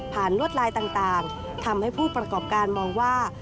ลวดลายต่างทำให้ผู้ประกอบการมองว่า